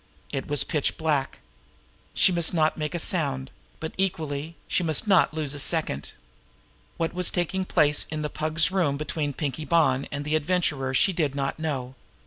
It was pitch black. She must not make a sound; but, equally, she must not lose a second. What was taking place in the Pug's room between Pinkie Bonn and the Adventurer she did not know.